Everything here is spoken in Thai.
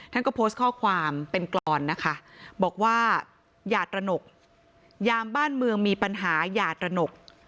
ท่านก็โพสต์ข้อความเป็นกรอนนะคะบอกว่าอย่าตระหนกยามบ้านเมืองมีปัญหาอย่าตระหนก